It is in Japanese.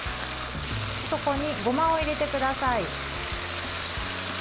そこに、ごまを入れてください。